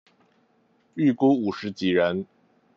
預估五十幾人